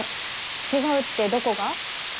違うってどこが？